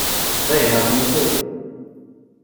They have no children.